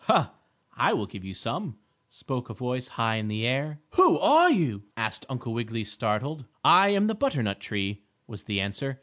"Ha! I will give you some," spoke a voice high in the air. "Who are you?" asked Uncle Wiggily, startled. "I am the butternut tree," was the answer.